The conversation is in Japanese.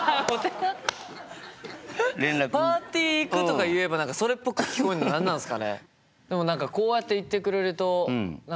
パーティー行くとか言えばそれっぽく聞こえるの何なんすかね。